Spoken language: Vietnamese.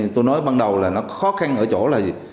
tôi nói ban đầu là nó khó khăn ở chỗ là gì